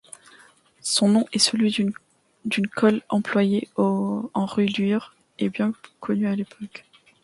Son nom est celui d'une colle employée en reliure et bien connue à l'époque.